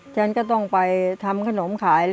ฉันก็ต้องไปทำขนมขาย